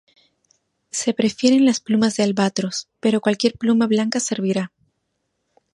Se prefieren las plumas de albatros, pero cualquier pluma blanca servirá.